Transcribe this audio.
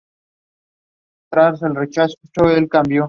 Li started playing "League of Legends" after its official release.